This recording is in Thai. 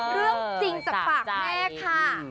เรื่องจริงจากปากแม่ค่ะ